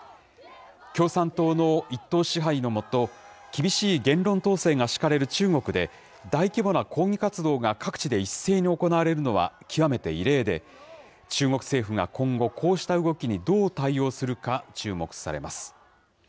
共産党の一党支配の下、厳しい言論統制が敷かれる中国で、大規模な抗議活動が各地で一斉に行われるのは極めて異例で、中国政府が今後、こうした動きにどう対応するか注目されます。